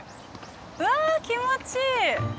うわ気持ちいい。